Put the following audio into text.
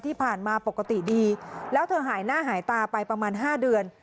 ที่ผ่านมาปกติดีแล้วเธอหายหน้าหายตาไปประมาณ๕เดือน